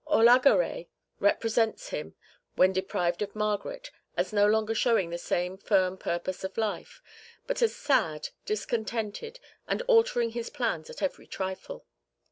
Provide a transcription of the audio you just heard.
Olhagaray represents him when deprived of Margaret as no longer showing the same firm purpose of life, but as sad, discontented, and altering his plans at every trifle.